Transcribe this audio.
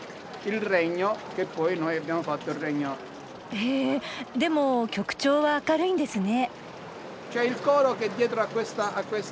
へえでも曲調は明るいんですね。